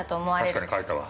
◆確かに書いたわ。